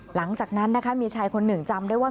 หลังจากนั้นนะคะมีชายคนหนึ่งจำได้ว่า